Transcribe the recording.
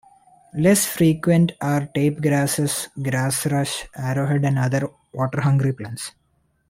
Less frequent are tape-grasses, grass rush, arrowhead and other water-hungry plants.